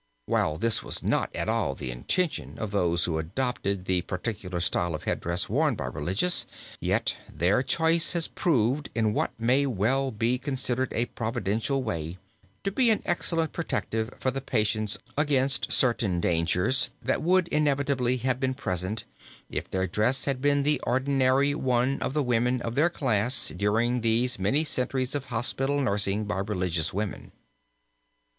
While this was not at all the intention of those who adopted the particular style of headdress worn by religious, yet their choice has proved, in what may well be considered a Providential way, to be an excellent protective for the patients against certain dangers that would inevitably have been present, if their dress had been the ordinary one of the women of their class during these many centuries of hospital nursing by religious women.